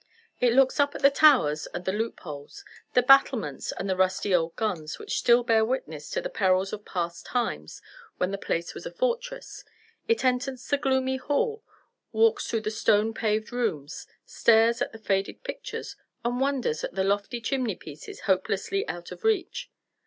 It looks up at the towers and the loopholes, the battlements and the rusty old guns, which still bear witness to the perils of past times when the place was a fortress it enters the gloomy hall, walks through the stone paved rooms, stares at the faded pictures, and wonders at the lofty chimney pieces hopelessly out of reach.